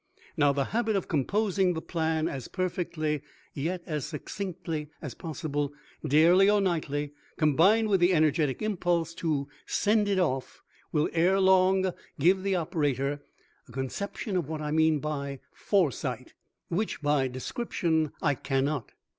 Now the habit of composing the plan as perfectly, yet as succinctly as possible, daily or nightly, combined with the energetic impulse to send it off, will ere long give the operator a conception of what I mean by Foresight which by description I cannot.